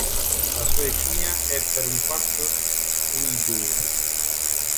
La sua etnia è per un quarto Uiguri.